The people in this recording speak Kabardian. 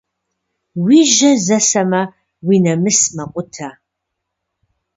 Уи жьэ зэсэмэ, уи нэмыс мэкъутэ.